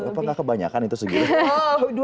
apa nggak kebanyakan itu segitu